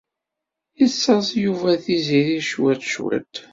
Yettaẓ Yuba ar Tiziri cwiṭ cwiṭ.